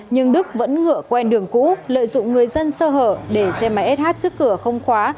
nhưng đức vẫn ngựa quen đường cũ lợi dụng người dân sơ hở để xe máy sh trước cửa không khóa